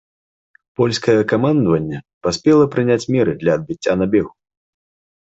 Польскае камандаванне паспела прыняць меры для адбіцця набегу.